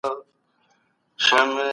خلګو ته د نوي حکومت پيغام څه و؟